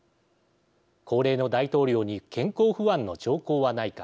高齢の大統領に健康不安の兆候はないか。